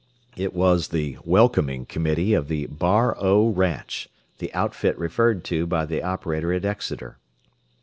It was the "welcoming committee" of the Bar O ranch, the "outfit" referred to by the operator at Exeter.